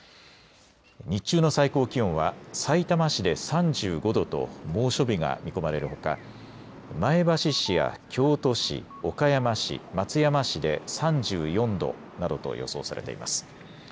日中の最高気温はさいたま市で３５度と猛暑日が見込まれるほか、前橋市や京都市、岡山市、松山市で３４度などと予想されています。